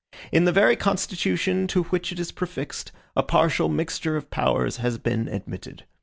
In the very Constitution to which it is prefixed, a partial mixture of powers has been admitted.